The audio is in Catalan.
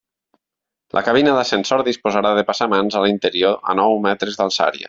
La cabina d'ascensor disposarà de passamans a l'interior a nou metres d'alçària.